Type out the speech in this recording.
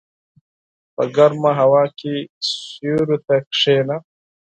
په ګرمه هوا کې سیوري ته کېنه.